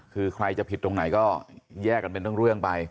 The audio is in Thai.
คือใครจะผิดตรงไหนก็แยกกันเป็นเรื่องไป